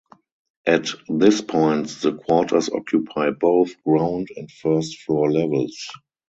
At this point the quarters occupy both ground and first floor levels.